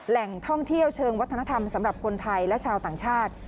แหล่งท่องเที่ยวเชิงวัฒนธรรมสำหรับคนไทยและชาวต่างชาติ